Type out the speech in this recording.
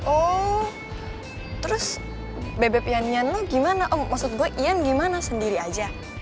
oh terus bebe pianian lo gimana maksud gue iyan gimana sendiri aja